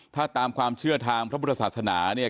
ถ้าตามความเชื่อทางพระพุทธศาสนาเนี่ย